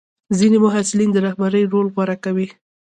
ځینې محصلین د رهبرۍ رول غوره کوي.